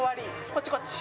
こっちこっち。